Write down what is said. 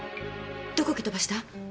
どこ蹴飛ばした？